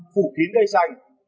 phủ kín cây xanh